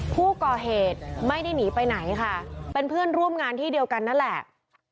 ผู้ก่อเหตุไม่ได้หนีไปไหนค่ะเป็นเพื่อนร่วมงานที่เดียวกันนั่นแหละ